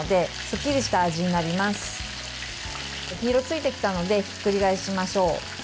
焼き色がついてきたのでひっくり返しましょう。